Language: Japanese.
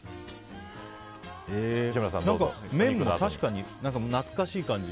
麺も確かに、懐かしい感じ。